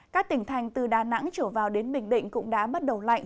các tỉnh thành từ đà nẵng trở vào đến bình định cũng đã bắt đầu lạnh